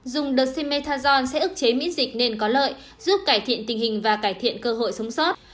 dùng đợt cmetajon sẽ ức chế miễn dịch nên có lợi giúp cải thiện tình hình và cải thiện cơ hội sống sót